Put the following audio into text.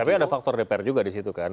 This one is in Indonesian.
tapi ada faktor dpr juga di situ kan